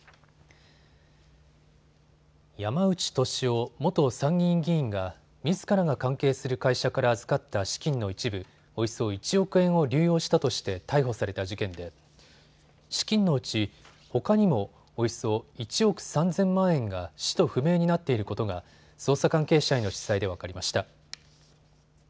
山内俊夫元参議院議員がみずからが関係する会社から預かった資金の一部およそ１億円を流用したとして逮捕された事件で資金のうちほかにもおよそ１億３０００万円が使途不明になっていることが捜査関係者への取材で分かりました。